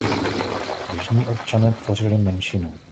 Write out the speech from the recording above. Běžní občané tvořili menšinu.